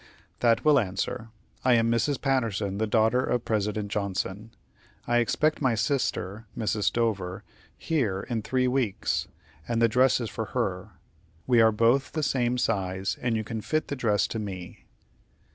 "That will answer. I am Mrs. Patterson, the daughter of President Johnson. I expect my sister, Mrs. Stover, here in three weeks, and the dress is for her. We are both the same size, and you can fit the dress to me."